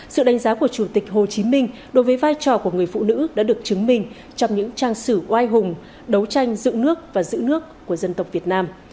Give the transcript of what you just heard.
sự đánh giá của chủ tịch hồ chí minh đối với vai trò của người phụ nữ đã được chứng minh trong những trang sử oai hùng đấu tranh giữ nước và giữ nước của dân tộc việt nam